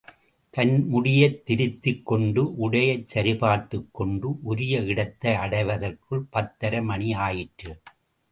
தன் முடியைத் திருத்திக் கொண்டு உடையை சரிபார்த்துக் கொண்டு, உரிய இடத்தை அடைவதற்குள் பத்தரை மணி ஆயிற்று.